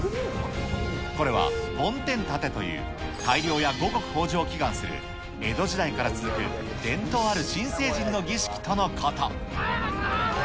これは、梵天立てという大漁や五穀豊じょうを祈願する、江戸時代から続く伝統ある新成人の儀式とのこと。